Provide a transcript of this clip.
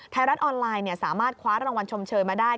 ไทยรัฐออนไลน์สามารถคว้ารางวัลชมเชยมาได้